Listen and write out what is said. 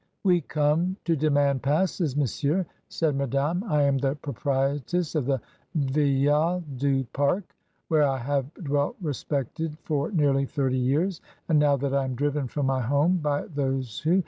"We come to demand passes, monsieur," said Madame; "I am the proprietress of the Villa du Pare, where I have dwelt respected for nearly thirty years, and now that I am driven from my home by those who